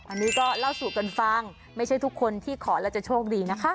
อันนี้ก็เล่าสู่กันฟังไม่ใช่ทุกคนที่ขอแล้วจะโชคดีนะคะ